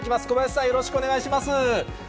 小林さん、よろしくお願いします。